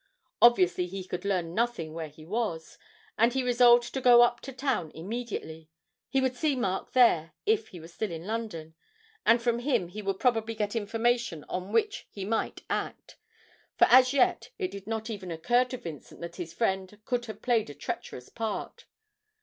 Obviously he could learn nothing where he was, and he resolved to go up to town immediately. He would see Mark there, if he was still in London, and from him he would probably get information on which he might act for, as yet, it did not even occur to Vincent that his friend could have played a treacherous part.